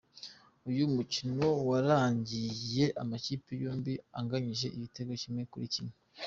Uyu mukino warangiye amakipe yombi anganyije igitego kimwe kuri kimwe.